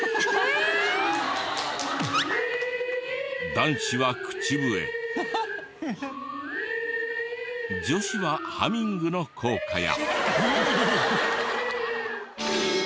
男子は口笛女子はハミングの校歌や。